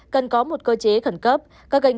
cần có một cơ chế khẩn cấp các gành